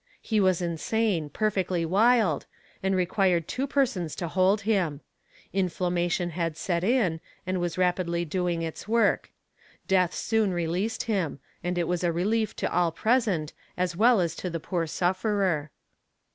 He was insane, perfectly wild, and required two persons to hold him. Inflammation had set in, and was rapidly doing its work; death soon released him, and it was a relief to all present as well as to the poor sufferer.